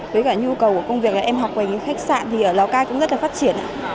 với nhu cầu của công việc em học ở khách sạn thì ở lào cai cũng rất phát triển